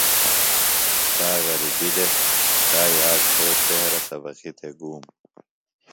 تا غربیۡ دےۡ۔ تائی آک پھو شہرہ سبقی تھےۡ گُوم۔